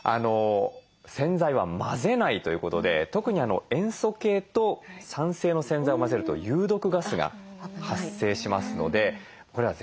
洗剤は混ぜないということで特に塩素系と酸性の洗剤を混ぜると有毒ガスが発生しますのでこれは絶対に混ぜない。